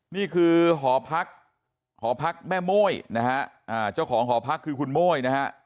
นี่คือหอพักหอพักแม่โม่ยนะฮะเจ้าของหอพักคือคุณโม่ยนะฮะ